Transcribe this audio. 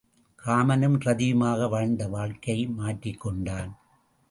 காமனும் ரதியுமாக வாழ்ந்த வாழ்க்கையை மாற்றிக் கொண்டான்.